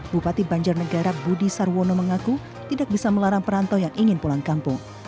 bupati banjarnegara budi sarwono mengaku tidak bisa melarang perantau yang ingin pulang kampung